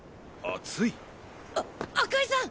あ赤井さん！